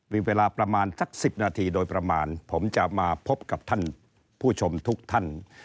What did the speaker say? มีเวลาประมาณสัก๑๐นาทีโดยประมาณผมจะมาพบกับท่านผู้ชมทุกท่าน